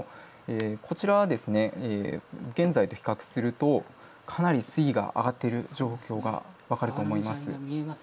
これがふだんの状況ですがこちらは現在と比較するとかなり水位が上がっている状況が分かると思います。